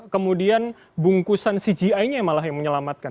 kemudian bungkusan cgi nya malah yang menyelamatkan